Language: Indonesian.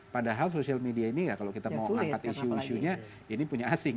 padahal social media ini ya kalau kita mau angkat isu isunya ini punya asing